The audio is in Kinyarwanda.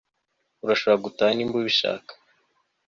Urashobora gutaha niba ubishaka